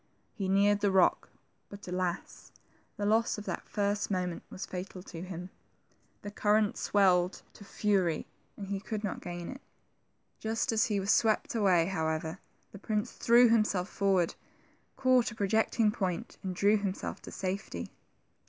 He neared the rock, but, alas, the loss of that first moment was fatal to him; the current swelled to 74 THE TWO PRINOES. fury, and he could not gain it. Just as he was swept away, however, the prince threw himself forward, caught a projecting point, and drew himself to safety.